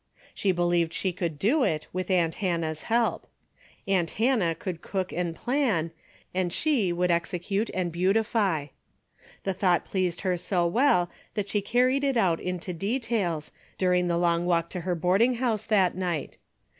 She believed she could do it with aunt Hannah's help. Aunt Hannah could cook and plan, and she could execute and beautify. The thought pleased her so well that she car ried it out into details, during the long walk back to her boarding house that night.